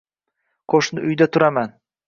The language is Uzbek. Qo’shni uyda turaman...